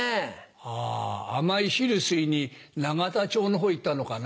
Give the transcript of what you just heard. あ甘い汁吸いに永田町のほう行ったのかな。